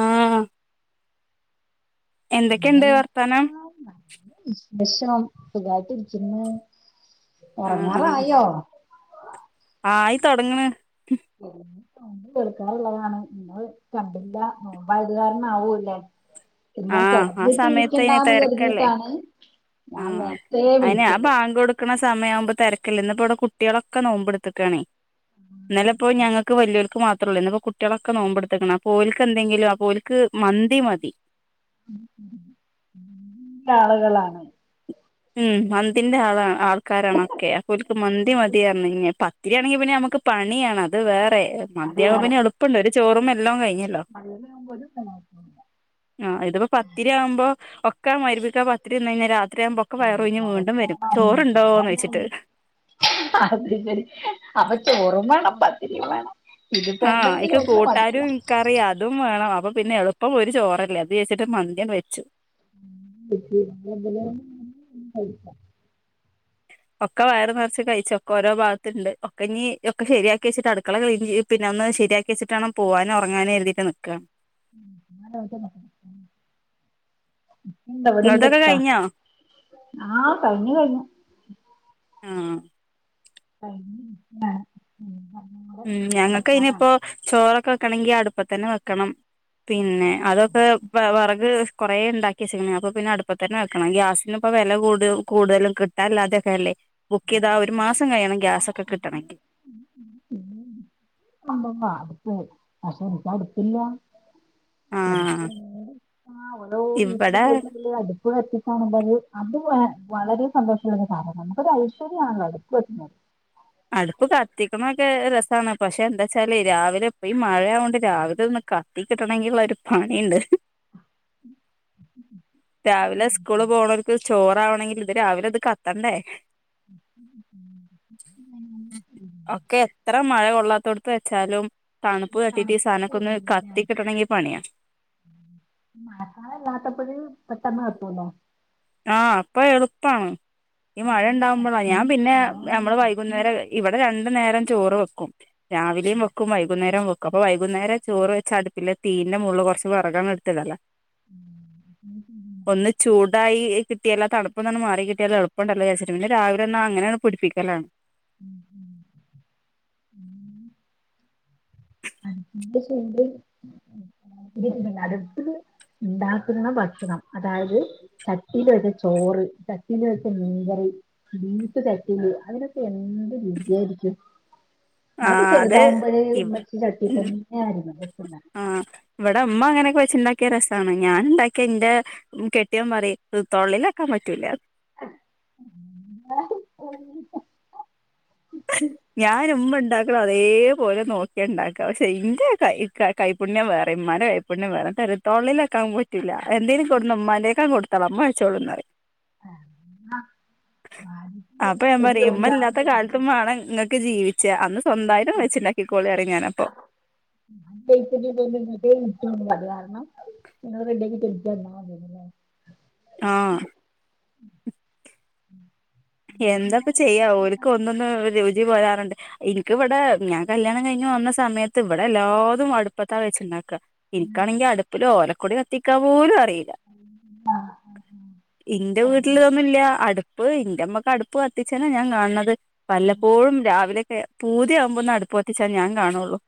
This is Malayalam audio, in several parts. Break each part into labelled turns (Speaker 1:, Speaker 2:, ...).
Speaker 1: ആ എന്തൊക്കെയുണ്ട് വർത്താനം.
Speaker 2: [inaudible] സുഖായിട്ട് ഇരിക്കുന്നു.
Speaker 1: ആഹ്
Speaker 2: ഉറങ്ങാറായോ?
Speaker 1: ആയി തുടങ്ങണ്.
Speaker 2: കേൾക്കാറുള്ളതാണ്. നിങ്ങൾ കണ്ടില്ല നോയ്മ്പായത് കാരണം ആവൂല്ലേ. എന്നാ
Speaker 1: ആഹ് ആ
Speaker 2: കിടന്നിട്ട് വിളിക്കേണ്ടാന്ന് കരുതിട്ടാണ്.
Speaker 1: ആ അയിനെ ആ [inaudible] കൊടുക്കണ സമയം ആവുമ്പോ തിരക്കല്ല ഇനിപ്പോ ഇവിടെ കുട്ടികളൊക്കെ നോമ്പ് എടുത്തക്കാണേ
Speaker 2: ഉം,
Speaker 1: ഇന്നലെ ഇപ്പോ
Speaker 2: അപ്പൊ
Speaker 1: ഞങ്ങക്ക് വലിയർക്ക് മാത്രമല്ല ഇപ്പോ കുട്ടികളൊക്കെ നോമ്പെടുത്തെക്കൊണ് അപ്പോ ഓൾക്ക് എന്തെങ്കിലും ആ ഓൾക്ക് മന്തി മതി
Speaker 2: ആളുകളാണ്.
Speaker 1: ഉം മന്തിന്റെ ആ ആൾക്കാരാണൊക്കെ അപ്പൊ ഇവർക്ക് മന്തി മതിയ [inaudible] ഇതാണെങ്കി പിന്നെ നമുക്ക് പണിയാണ് അത് വേറെ അ
Speaker 2: അത്
Speaker 1: മന്തിയാവുമ്പോ
Speaker 2: വേറെ
Speaker 1: പിന്നെ എളുപ്പമണ്ട് ഒരു ചോറും
Speaker 2: മ-
Speaker 1: എല്ലാം കഴിഞ്ഞല്ലോ.
Speaker 2: മഴയാകുമ്പോ ഒരു പ്രയാസമില്ല.
Speaker 1: ആ ഇതിപ്പോ പത്തിരി ആവുമ്പോ ഒക്കാ മരുപ്പിക്കാ പത്തിരി തിന്ന് കഴിഞ്ഞാ രാത്രി ആകുമ്പോ
Speaker 2: [inaudible]
Speaker 1: ചോദിച്ചിട്ട്
Speaker 2: ചോറ് വേണം. പത്തിരി വേണം. ഇതിപ്പോ
Speaker 1: ആ
Speaker 2: എന്തെങ്കിലും
Speaker 1: എനിക്ക്
Speaker 2: ഒന്ന് മതിയല്ലോ
Speaker 1: കൂട്ടാരും കറീം അതും വേണം. അപ്പൊ പിന്നെ എളുപ്പം ഒരു ചോറല്ലേ അത് വെച്ചിട്ട് മന്തി അങ്ങ് വെയ്ച്ചു.
Speaker 2: [inaudible]
Speaker 1: [inaudible] ഒക്കെ വയർ നിറച്ച് കഴിച്ചൊക്കെ ഓരോ ഭാഗത്തുണ്ട്. ഒക്ക ഇനി ഒക്കെ ശരിയാക്കി വെച്ചിട്ട് അടുക്കള ക്ലീൻ ചെയ പിന്നെ ഒന്ന് ശരിയാക്കി വെച്ചിട്ടാണ് പോവാനും ഉറങ്ങാനും [inaudible] നിൽക്കാണ്.
Speaker 2: [inaudible] എന്തവിടെ ണ്ട്
Speaker 1: ഇങ്ങൾതൊക്കെ കഴിഞ്ഞോ
Speaker 2: ആ കഴിഞ്ഞു കഴിഞ്ഞു
Speaker 1: ആ
Speaker 2: [unintelligible]
Speaker 1: ഉം ഞങ്ങൾക്ക്
Speaker 2: കിടക്കാനാണ്
Speaker 1: അയ്ന്പ്പോ ചോറൊക്കെ വെക്കണെങ്കി അടുപ്പത്തന്നെ വെക്കണം പിന്നെ അതൊക്കെ വറക് കൊറേ ഇണ്ടാക്കി അപ്പൊ പിന്നെ അടുപ്പത്തന്നെ വെയ്ക്കണം ഗ്യാസിന് ഇപ്പൊ വെല കൂ കൂടുതലും കിട്ടാല്ലാ ത്തൊക്കെയല്ലേ ബുക്കെയ്താ ഒരു മാസം കഴിയണം ഗ്യാസൊക്കെ കിട്ടണെങ്കി
Speaker 2: [unintelligible] [unintelligible] അത്
Speaker 1: ആഹ് ഇവിടെ
Speaker 2: വളരെ സന്തോഷള്ള ഒരു കാരണം നമ്മുക്കൊരു ഐശ്വര്യണല്ലോ അടുപ്പ് കത്തി
Speaker 1: അടുപ്പ് കത്തിക്കണൊക്കെ രസാ ണ്. പക്ഷെ എന്താ വെച്ചാല് രാവിലെ ഇപ്പ ഈ മഴയാവോണ്ട് രാവിലെ കത്തി കിട്ടണങ്കിൽ ഒരു പണിണ്ട്. രാവിലെ സ്കൂള് പോണോൽക്ക് ചോറാവണങ്കില് ഇത് രാവിലെ ഇത് കത്തണ്ടേ ഒക്കെ എത്ര മഴ കൊള്ളാത്തോട് ത്ത് വെച്ചാലും തണുപ്പ് തട്ടിട്ട്
Speaker 2: തണുപ്പ്
Speaker 1: സാധനക്കൊന്ന്
Speaker 2: വരുമല്ലേ
Speaker 1: കത്തി കിട്ടണെങ്കി പണിയാ
Speaker 2: മഴക്കാലം ഇല്ലാത്തപ്പോഴ പെട്ടന്ന് കത്തുലോ
Speaker 1: ആ അപ്പൊ എളുപ്പാണ് ഈ
Speaker 2: അപ്പൊ
Speaker 1: മഴ
Speaker 2: നമ്മള്
Speaker 1: ഉണ്ടാവുമ്പോളാ ഞാൻ
Speaker 2: ചട്നി
Speaker 1: പിന്നെ
Speaker 2: ചോറ്
Speaker 1: നമ്മള്
Speaker 2: ചട്നി
Speaker 1: വൈകുന്നേരം ഇവിടെ രണ്ടു നേരം ചോറ് വെക്കും.
Speaker 2: ആ,
Speaker 1: രാവിലെയും വെക്കും വൈകുന്നേരം വെക്കും അപ്പൊ വൈകുന്നേരം ചോറ് വെച്ചാ അടുപ്പിലെ തിയിൻ്റെ മോള്ല് കൊറച്ച് വെറക് അങ്ങ് എടുത്തിടാ
Speaker 2: [unintelligible]
Speaker 1: കിട്ടിയല്ല തണുപ്പൊന്ന് മാറി കിട്ടിയ എളുപ്പണ്ടല്ലോ വിചാര്ച്ചിട്ട് പിന്നെ രാവിലെ അങ്ങനെ പിടിപ്പിക്കലാണ്
Speaker 2: [unintelligible] [unintelligible] ഇണ്ടാക്കുന്ന ഭക്ഷണം അതായത് ചട്ടിൽ വെച്ച ചോറ് ചട്ടിൽ വെച്ച മീൻകറി ബീഫ് ചട്ടിൽ അതിനൊക്കെ എന്ത് രുചിയായിരിക്കും. നമുക്ക്
Speaker 1: ആഹ് അത്
Speaker 2: ചെറുതാവുമ്പോഴ ഉമ്മച്ചി
Speaker 1: ഇ
Speaker 2: ചട്ടിയാൽ തന്നെ ആയിരുന്നു വെയ്ക്കുന്നേ
Speaker 1: ആഹ് ഇവിടെ ഉമ്മ അങ്ങനെയൊക്കെ വെച്ചുണ്ടാക്കിയ രസാണ് ഞാൻ ണ്ടാക്കിയ എന്റെ കെട്ടിയൻ പറയി തൊള്ളിലാക്കാൻ പറ്റൂലാ.
Speaker 2: [inaudible]
Speaker 1: ഞാനും ഉമ്മ ഉണ്ടാക്കണ അതേപോലെ നോക്കിയ ഉണ്ടാക്കുക പക്ഷെ ഇന്റെ ക കൈപ്പുണ്യം വേറെ ഇമ്മാൻ്റെ കൈപ്പുണ്യം വേറെ [unintelligible] പറ്റൂല്ല എന്തേലും കൊടുന്ന് ഉമ്മാന്റെക്കൽ കൊടുത്താലോ ഉമ്മ വെച്ചോളൂന്ന്പറയും. അപ്പൊ
Speaker 2: [inaudible]
Speaker 1: [unintelligible] ജീവിച്ച് അന്ന് സ്വന്തമായിട്ടും വെച്ച്ണ്ടാക്കികോള എട
Speaker 2: [inaudible] അത് കാരണം [inaudible]
Speaker 1: ആഹ് [inaudible] എന്താപ്പ ചെയ്യാം
Speaker 2: മതി
Speaker 1: ഒരിക്കും ഒന്നൊന്ന് ഒരു [unintelligible] പോരാറുണ്ട് എനിക്കിവിടെ ഞാൻ കല്യാണം കഴിഞ്ഞ് വന്ന സമയത്ത് ഇവിടെ എല്ലാതും അടുപ്പത്താ വെച്ചുണ്ടാക്കുക. എനിക്കാണെങ്കി അടുപ്പില് ഓലക്കുടി കത്തിക്കാ പോലും അ റിയില്ല
Speaker 2: ആ, ആ, ആ.
Speaker 1: ഇന്റെ
Speaker 2: അത്
Speaker 1: വീട്ടില് ഇതൊന്നില്ല അടുപ്പ് ന്റമ്മ ടുപ്പ് കത്തിച്ചേനാ ഞാൻ കാണത് വല്ലപ്പോഴും രാവിലെ ഏ പൂതിയാവുമ്പോന്ന അടുപ്പ കത്തിച്ചാ ഞാൻ കാണുള്ളൂ.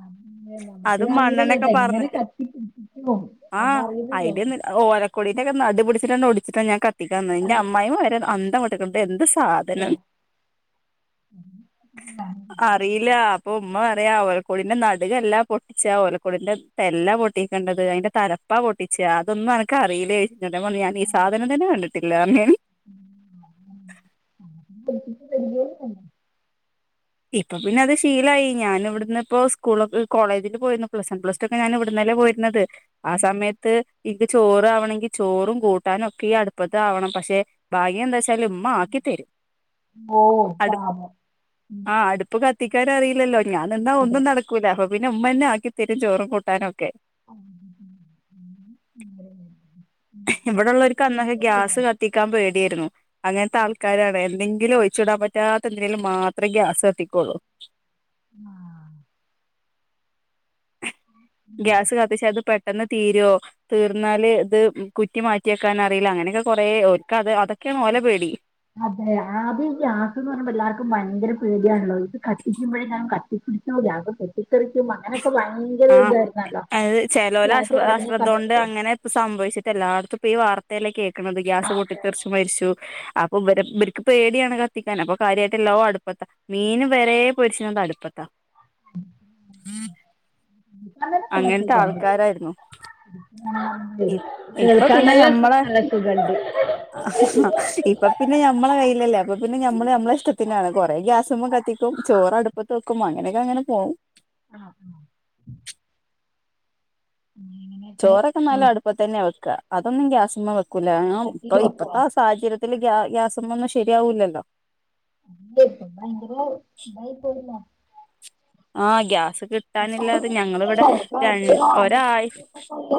Speaker 2: അന്ന്
Speaker 1: അതും
Speaker 2: നമുക്കിതറിയില്ലല്ലോ
Speaker 1: മണ്ണെണ്ണൊക്കെ
Speaker 2: ഇതെങ്ങനെ
Speaker 1: പറന്നിട്ട്
Speaker 2: കത്തിപ്പിടിപ്പിക്കും
Speaker 1: ആഹ്
Speaker 2: നമ്മളറിയുന്നില്ലല്ലോ
Speaker 1: ഐഡിയ ഓര കുടീതൊക്കെ നടു പുടിച്ചിട്ടണ്ടണ്ട് ഒടിച്ചിട്ട ഞൻ കത്തിക്കാന്ന് ന്റെ അമ്മായിയമ്മ വരെ അന്തം വിട്ട് ക്ക്ണു പ്പേ എന്ത് സ് ആഹാ
Speaker 2: അതെ.
Speaker 1: ധനം ഉമ്മ പറയ ഓലക്കോടിന്റെ നടുകല്ലാ പൊട്ടിച്ച ആ ഓലക്കോടിന്റെ തല്ല പൊട്ടിക്കേണ്ടത് അതിന്റെ തലപ്പ പൊട്ടിച്ച അതൊന്നും അനക്ക് അറിയില്ലെയ് ന്റെ പൊന്നഞാൻ ഈ സാധനം തന്നെ കണ്ടിട്ടില്ലാർഞു ഞാൻ
Speaker 2: [unintelligible]
Speaker 1: ഇപ്പൊ പിന്നെ അത് ശീലായി ഞാനിവിടുന്ന് ഇപ്പോ സ്കൂൾ കോളേജിൽ പോയിന്നു പ്ലസ് വൺ പ്ലസ് റ്റു ഒക്കെ ഞാൻ ഇവിടു ന്ന പോര്ന്നത് ആ സമയത്ത് ഇക്ക് ചോറ് ആവണങ്കി ചോറും കൂട്ടാനും ഒക്കെ ഈ അട്പ്പത്ത് ആവണം പക്ഷെ ഭാഗ്യം എന്താച്ച് എന്താലും ഉമ്മ ആക്കി തെരും
Speaker 2: ഓ
Speaker 1: അടു
Speaker 2: പാപം ഉം,
Speaker 1: ആഹ് അടുപ്പ് കത്തിക്കാനറിയില്ലല്ലോ ഞാൻ നിന്നാ
Speaker 2: അതെ
Speaker 1: ഒന്നും നടക്കൂല പിന്നെ ഉമ്മന്നെ ആക്കിതരും ചോറും കൂട്ടാനുംഒക്കെ
Speaker 2: [unintelligible] ഇതിന്
Speaker 1: ഇവിടെള്ളോർക്ക് അന്നൊക്കെ
Speaker 2: പേടിക്കാനില്ല.
Speaker 1: ഗ്യാസ് കത്തിക്കാൻ പേടിയായിരുന്നു അങ്ങനത്തെ ആൾക്കാരാണ് എന്തെ ന്തെങ്കിലും ഒഴിച്ചുടാൻ പറ്റാത്ത എന്തെനേലും മാത്രേ ഗ്യാസ് കത്തിക്കുള്ളൂ
Speaker 2: ആഹ്
Speaker 1: [inaudible] ഗ്യാസ് കത്തിച്ചാത് പെട് പെട്ടെന്ന് തീരോ തീർന്നാല് ത് കുറ്റി മാറ്റിയെക്കാൻ നറിയില്ല അങ്ങനെയൊക്കെ കൊറേ ഒ
Speaker 2: അതെ ആദ്ധ്യം ഗ്യാസ് ന്ന് പറയുമ്പോ എല്ലാർക്കും ഭയങ്കര പേടിയാണല്ലോ ഇത് കത്തിക്കുമ്പോഴേ ഞാൻ കത്തിപ്പടിച്ചോ ഗ്യാസ് പൊട്ടി തെറിക്കോ അങ്ങനെ
Speaker 1: ആഹ അഹ് ചെലോര
Speaker 2: ഗ്യാസ് ഇറങ്ങിയ
Speaker 1: അശ്രദ്ധോണ്ട്
Speaker 2: സമയത്ത്
Speaker 1: അങ്ങനെ പ് സംഭവിച്ചിട്ട് എല്ലായിടത്തും ഇപ്പ ഈ വാർത്തേലേ കേൾക്കണത് ഗ്യാസ്
Speaker 2: അതെ
Speaker 1: പൊട്ടിത്തെറിച്ച് മരിച്ചു അപ്പൊ ഇവര് ഇവർക്ക് പേടിയാണ് കത്തിക്കാൻ അപ്പൊ കാര്യായായിട്ട്ല്ലോ അടുപ്പത്താ മീൻ വെരേ പൊരിച്ച അടുപ്പത്താ [inaudible]
Speaker 2: അന്ന്നേ
Speaker 1: അങ്ങനത്തെ
Speaker 2: പെണ്റ്റിക്കോ?
Speaker 1: ആൾക്കാരായിരുന്നു ഇ
Speaker 2: കേൾക്കാൻ നല്ലസു നല്ല സുഖണ്ട്
Speaker 1: ആ ഇപ്പ പിന്നെ നമ്മളെ കയ്യിലല്ലേ അപ്പ പിന്നെ നമ്മള് നമ്മള ഇഷ്ടത്തിനാണ് കൊറേ ഗ്യാ സുമ കത്തിക്കും ചോറ് അടുപ്പത്ത് വക്കും അങ്ങനെയൊക്കെ അങ്ങനെ പോവും
Speaker 2: ആഹ് ആഹ്
Speaker 1: ചോറൊക്കെ
Speaker 2: ഉം
Speaker 1: നല്ല അടുപ്പ തന്നെ വെക്കുക അതൊന്നും ഗ്യാസ്മ്മ വെക്കൂല ഇപ്പൊ
Speaker 2: കത്തില് വെക്കുവോ
Speaker 1: ഇപ്പഴത്തെ ആ സാഹചര്യത്തി പിന്ഗ്യ ഗ്യാസുമ്മന്ന് ശെരിയാവൂില്ലല്ലോ
Speaker 2: [unintelligible]
Speaker 1: ആഹ ഗ്യാസ് കിട്ടാനില്ലാത ഞങ്ങളിവിടെ രൺ ഒരാഴ്‌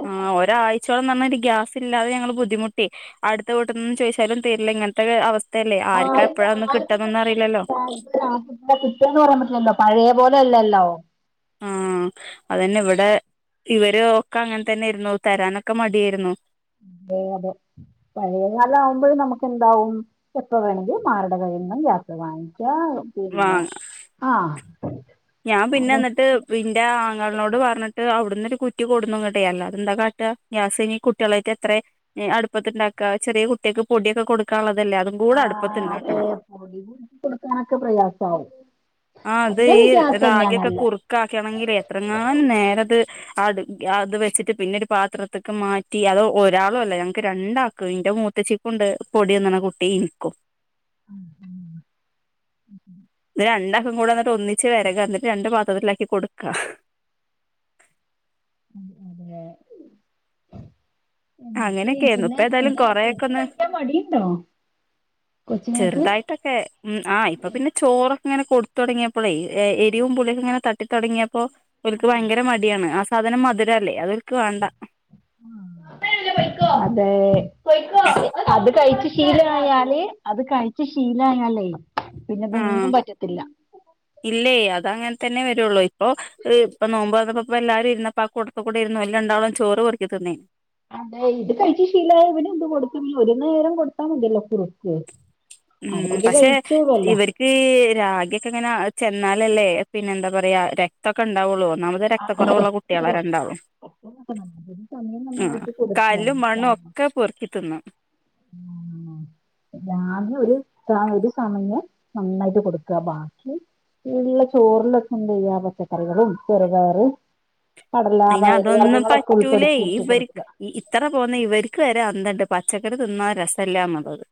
Speaker 1: ആഹ് ഒരാഴ്ചോളം പറഞ്ഞാ രി ഗ്യാസ് ല്ലാതെ ഞങ്ങൾ ബുദ്ധിമുട്ടി അടുത്ത വീട്ട്ന്ന് ചോയിച്ചാലും തരില്ല ഇങ്ങനത്തെ അവസ്ഥ ല്ലെ ആർക്ക എപ്പഴ കിട്ട
Speaker 2: കിട്ടിയന്ന് പറയാൻ പറ്റില്ലല്ലോ പഴയ പോലെ അല്ലല്ലോ
Speaker 1: ആ അതന്നെ ഇവിടെ ഇവര് ഒക്കെ അങ്ങനെ തന്നെരുന്നു തരാനൊക്കെ മടിയായിരുന്നു.
Speaker 2: അതെ അതെ പഴയ കാലം ആവുമ്പോഴ നമുക്ക് എന്താവും എപ്പ വേണമെങ്കിൽ ആർടെ കഴ
Speaker 1: വാ
Speaker 2: [unintelligible]
Speaker 1: ഞാൻ പിന്നെ ന്നിട്ട് ഇന്റെ ആങ്ങളനോട് പറഞ്ഞിട്ട് അവ്ടുന്ന് കുറ്റി കൊട്ന്നു ഇങ്ങട്ടേ അല്ലാതെതെന്താ കാട്ട ഗ്യാസ് കയിഞ്ഞ് കുട്ടികളായിട്ട് എത്ര അടുപ്പത്ത്ണ്ടാക ചെറിയ കുട്ടിയക്ക് പൊടിയൊക്കെ കൊടുക്കാനു
Speaker 2: ആ അതെ പൊടി പിടിച്ച കൊടുക്കാനൊക്കെ പ്രയാസവും.
Speaker 1: ആ അത് ഈ റാഗിയൊക്കെ കുറുക്കാക്കണെങ്കിൽ എത്രങ്ങാനും നേരത് അത് അത് വെച്ചിട്ട് പിന്നെ ഒരു പാത്രത്ക്ക് മാറ്റി അത് ഒരാളൂ അല്ല ഞങ്ങക്ക് രണ്ടാക്കും ഇന്റെ മൂ മൂത്തച്ഛികൂണ്ട് പൊടിയന്ന്ണ കുട്ടി ഇൻക്കും. ഇത് രണ്ട ഉം കൂടെ ഒന്നിച്ച് വരക എന്നിട്ട് രണ്ട പാത്രത്തിലാക്കി കൊടുക്ക.
Speaker 2: അതേ
Speaker 1: അങ്ങനെയൊക്കെ
Speaker 2: എനിക്ക്
Speaker 1: ആയിരുന്നു
Speaker 2: പിന്നെ
Speaker 1: ഇപ്പ ഏതായാലും
Speaker 2: അങ്ങനെ
Speaker 1: കൊറെയൊക്കെ
Speaker 2: എടുത്തു
Speaker 1: ഒന്ന്
Speaker 2: കഴിക്കാൻ മടിണ്ടോ?
Speaker 1: ചെറുതായിട്ടൊക്കെ ഉം ആ ഇപ്പൊ പിന്നെ ചോറ അങ്ങനെ കൊടുത്തൊ ടങ്ങിയപ്പോളെ എരിവും പുളിയെ ഇങ്ങനെ തട്ടിത്തടങ്ങിയപ്പോ ഓൽക്ക് ഭയര മടിയാണ് സാധനം മധുരല്ലേ അതോൽക്ക് വേണ്ട.
Speaker 2: അതെ പയ്ക്കോ അത് കഴിച് [inaudible] ശീലായാലേ അത് കഴിച്ച ശീലയാലേ.
Speaker 1: ആ
Speaker 2: പിന്നെതൊന്നും പറ്റത്തില്ല.
Speaker 1: ഇല്ലേ അതങ്ങനെ തന്നെ വരുള്ളു ഇപ്പൊ പ്പൊ നോമ്പ് പ്പോ എല്ലാരും ഇന്നപ്പാ കൊടുത്ത കൂടിരുന്നു ഓല് രണ്ടാളും ചോറ് പെർക്കി തിന്നേന്.
Speaker 2: അതെ ഇത് കഴിച്ചു ശീലയ ഇവടെ എന്ത് കൊടുത്ത ഒരു നേരം കൊടുത്താൽ മതില്ലോ ഫ്രൂട്സ്.
Speaker 1: ഉം പക്ഷെ ഇവർക്ക് രാഗ്യൊക്കെ എങ്ങനെ. ചെന്നാലല്ലേ പിന്നെ എന്താ പറയാ രക്തൊക്കെ ഉണ്ടാവുള്ളൂ ഒന്നാമത്
Speaker 2: അതെ
Speaker 1: രക്തക്കുറവുള്ള കുട്ടികള രണ്ടാളും.
Speaker 2: സമയം
Speaker 1: ആ
Speaker 2: നന്നായിട്ട്
Speaker 1: കാല്ലും മണ്ണും
Speaker 2: കൊടുക്കാണ്
Speaker 1: ഒക്കെ പൊറുക്കി തിന്നും.
Speaker 2: രാവിലെ ഒരു ഒരു സമയം നന്നായിട്ട് കൊടുക്കുക ബാക്കി. ഇള്ള ചോറിലൊക്കെ എന്ത് ചെയ്യാ പച്ചക്കറികളും ചെറുപയറും
Speaker 1: അയിന് അതൊന്നും പറ്റൂലേയ് ഇവർ
Speaker 2: കൊടുക്കുക
Speaker 1: ഇത്ര പോന്ന ഇവർക്ക് വ അന്തുണ്ട് പച്ചക്കറി തിന്നാ രസല്ലാ എന്നതത്.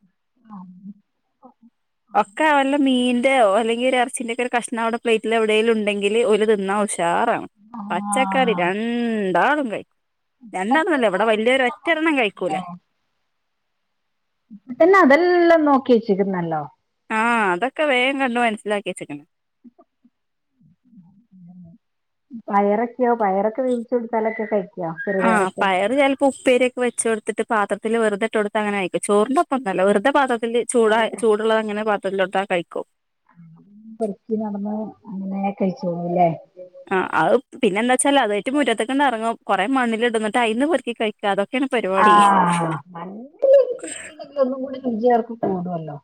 Speaker 1: ഒക്കെ വല്ല മീൻ. അല്ലെങ്കിൽ ഒരു അച്ചൻന്റെ ഒക്കെ കഷ്ണം അവിടെ പ്ലെറ്റിൽ എവിടേ ഉണ്ടെങ്കില് ഒരു തിന്നാവശം. ചാറാണ് പച്ചക്കറി
Speaker 2: ആഹ്
Speaker 1: രണ്ടാളും കഴിക്കും.
Speaker 2: ഇപ്പൊ തന്നെ
Speaker 1: രണ്ടാന്നുംല്ല ഇവിടെ
Speaker 2: അതെല്ലാം
Speaker 1: വല്ലിയെ
Speaker 2: നോക്കി
Speaker 1: ഒറ്റെരെണ്ണം കഴിക്കൂല.
Speaker 2: പിന്നെ അതെല്ലാം നോക്കി വച്ചിക്കുന്നല്ലോ.
Speaker 1: ആഹഅതൊക്കെ വേം കണ്ടു മനസ്സിലാക്കി വച്ചക്കണ്.
Speaker 2: പയറ യോ പയറൊക്കെ വേവിച്ചോട്തലത്രേ കഴിക്കോ
Speaker 1: ആഹ്
Speaker 2: ചെറുപേരൊക്കെ.
Speaker 1: പയറ് ചിലപ്പോ ഉപ്പേരിയൊക്കെ വെച്ച് കൊടുത്തിട്ട് പാത്രത്തിൽ വെറുതെട്ടൊടുത്ത അങ്ങനെയക്ക ചോറിന്റെ ഒപ്പൊന്നല്ല വെറുതെ പാത്രത്തിത്തില് ചൂട
Speaker 2: വെറുതെ
Speaker 1: ചൂടുള്ള അങ്ങനെ [unintelligible] കഴിക്കും
Speaker 2: പൊറുക്കി നടന്ന് അങ്ങനെ കഴിച്ചോളൂല്ലേ?
Speaker 1: പിന്നെ എന്ന വെച്ചാല് അതായിറ്റ് മുറ്റത്തക്കണ്ട് ഇറങ്ങും കുറെ മണ്ണിലിടുംന്നട്ട് അതിന്ന് പെർക്കി കയ്ക്ക അതക്കെ
Speaker 2: ആ നല്ലെങ്ക ഒന്നും കൂടി വിജയർക്ക് കൂടുല്ലോ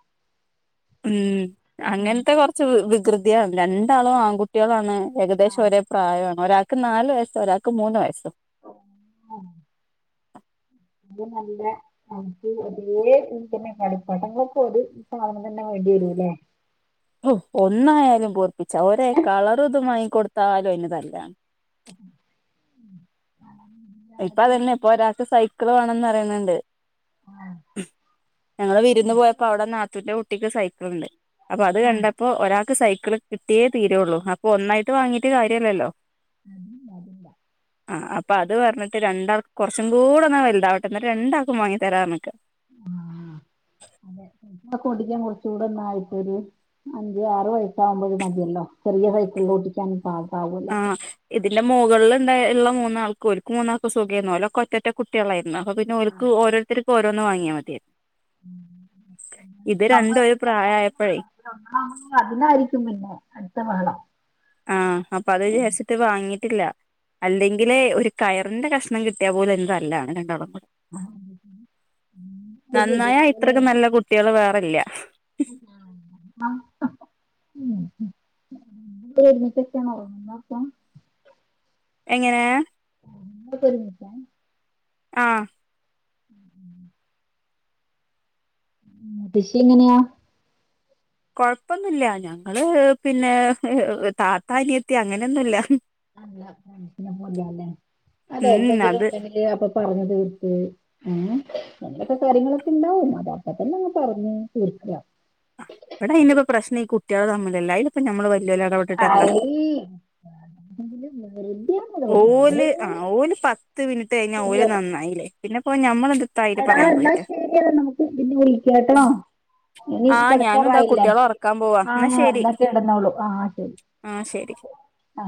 Speaker 1: ഉം അങ്ങനത്തെ കൊറച്ച് വികൃതിയാണ് രണ്ടാളും ആൺകുട്ടികളാണ് ഏകദേശം
Speaker 2: ആഹ്
Speaker 1: ഒരേ പ്രായമാണ് ഒരാൾക്ക് നാലല് വയസ് ഒരാൾക്ക് മൂന്ന് വയസ്സോ
Speaker 2: അ നല്ലക്ക് ഒരേ തന്നെ കടിപ്പാട്ടങ്ങളൊക്കെ ഒരു സാധനം തന്നെ വേണ്ടി ഉന്നെ
Speaker 1: ഒന്നായാലും പറപ്പിച്ച ഒര കളറുതുമായിങ്ങ കൊടുത്താലും അന് തല്ലാണ്
Speaker 2: ആ
Speaker 1: ഇപ്പൊ അതന്നെ ഇപ്പൊ ഒരാൾക്ക് സൈക്കിൾ വേണംന്ന് അറിയണണ്ട് ഞങ്ങള് വിരുന്ന് പോയപ്പോ അവിടെ നാത്തൂന്റെ കുട്ടിക്ക് സൈക്കിള ഉണ്ട് അപ്പൊ അത് കണ്ടപ്പോ ഒരാൾക്ക് സൈക്കിൾ കിട്ടിയേ തീരള്ളൂ അപ്പൊ ഒന്നായിട്ട് വാങ്ങീട്ട് കാര്യമല്ലല്ലോ
Speaker 2: അതല്ല അതല്ല [unintelligible]
Speaker 1: അപ്പൊ അത് പറഞ്ഞിട്ട് രണ്ടാൾക്ക് കുറച്ചും കൂടെന്നാ വലുതാവട്ടെ എന്ന രണ്ടാൾക്കും വാങ്ങി തരാ നക്ക് [unintelligible]
Speaker 2: ടെ കൊണ്ടിക്കാൻ കുറച്ച കൂടെന്ന ഇപ്പൊ ഒരു അഞ്ച് ആറ് വയസാവുമ്പോഴ മതിയല്ലോ ചെറിയ ലോടിക്കിയാന പ പോല്ല
Speaker 1: എന്റെ മുകളിൽ ഉണ്ട ഉള്ള മൂന്നാൾക്ക് ഒരു മൂന്നാൾക്ക് സുഖമായിരുന്നു ഓല ഒറ്റ കുട്ടികളായിരുന്നു അ
Speaker 2: ആ
Speaker 1: പിന്നെക്ക് ത്ത ഓരോന്ന് വാങ്ങിയാൽ മതിയ
Speaker 2: നമ്മുമ്പ അതിനായിരിക്കും പിന്നെ അടുത്ത വേളം
Speaker 1: ആ അപ്പൊ അത് ചേരിച്ചിട്ട് വാങ്ങിട്ടില്ല അല്ലെങ്കില് ഒരു കയ അവ കഷ്ണം കിട്ടിയ പോലെ തല്ലാണ് രണ്ടാ ളും കൂ ടെ
Speaker 2: ആ ഒരു പുതിയ
Speaker 1: നന്നായാ
Speaker 2: പോലെ വ
Speaker 1: ഇത്രക്ക് നല്ല കുട്ടികള് വേറെല്ല
Speaker 2: ആഹ ഉ ഒരുമിച്ചൊക്കെയാണ് ഓന്നന്നപ്പ
Speaker 1: എങ്ങനെയ
Speaker 2: ആ പരുമിച്ചാ [unintelligible]
Speaker 1: ആഹ
Speaker 2: ഉ [unintelligible] ഉ ഫഷി എങ്ങനെയാ
Speaker 1: കൊഴപ്പൊന്നുമില്ല ഞങ്ങള് പിന്നെ താത്താനിയ എത്തി അങ്ങനൊന്നുമല്ല
Speaker 2: നല്ല മലല്ലേ അതെ
Speaker 1: ഉം
Speaker 2: എന്തെങ്കിലും
Speaker 1: അത്
Speaker 2: ഉണ്ടെങ്കില് അപ്പൊ പറഞ്ഞഞ് തീർത്ത് ആ അങ്ങനെയൊക്കെ കാര്യങ്ങളൊക്കെ ഉണ്ടാവും അത അപ്പ തന്നെ അങ്ങ് പറഞ്ഞ് തീർക്ക
Speaker 1: എടാ അയിനിപ്പൊ പ്രശ്നം ഈ കുട്ടികളെ തമ്മിലല്ല അതി ഇപ്പ നമ്മൾ വലിയ ഇടപെട്ടിട്ട്
Speaker 2: അ
Speaker 1: എന്താ
Speaker 2: വ
Speaker 1: ഓല് ആ ഓല് പത്ത് മിനിറ്റ് കഴിഞ്ഞ ഓല് നന്നായില്ലേ പിന്നെപ്പോ ഞമ്മള്
Speaker 2: അടാ പറഞ്ഞാൽ ശരിയത നമുക്ക് പിന്നെ വിളിക്ക കേട്ടട്ടോ ഇനി
Speaker 1: ആ ഞാനും ഇതാ
Speaker 2: കിടക്കാറായില്ലേ
Speaker 1: കുട്ടികളെ ഉറക്കാൻ പോവാ
Speaker 2: ആഹ എന്നൊക്കെ ഇടന്നോളു ആഹ ശരി
Speaker 1: ആഹ ശരി
Speaker 2: ആഹ